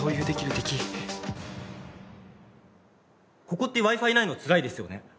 ここってＷｉ−Ｆｉないのつらいですよね。